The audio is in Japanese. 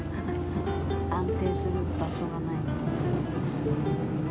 安定する場所がない。